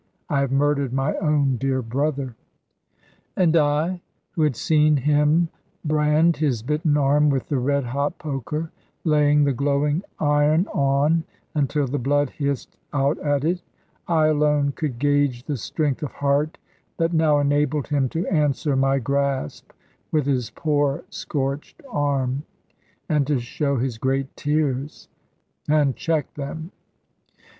I have murdered my own dear brother." And I, who had seen him brand his bitten arm with the red hot poker, laying the glowing iron on, until the blood hissed out at it, I alone could gage the strength of heart that now enabled him to answer my grasp with his poor scorched arm, and to show his great tears, and check them.